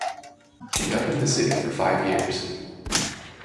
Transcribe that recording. She governed the city for five years.